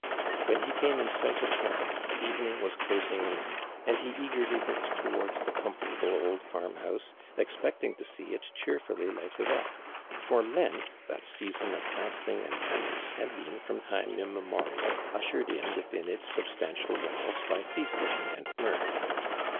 When he came in sight of home, evening was closing in, and he eagerly looked towai ds the com fortable old farm house, expecting to see it cheerfully lighted up, for Lent, that season of fasting and i)enance had been from time immemorial ushered in within its sub stantial walls by feasting and mirth.